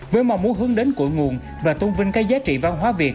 với mong muốn hướng đến cội nguồn và tôn vinh các giá trị văn hóa việt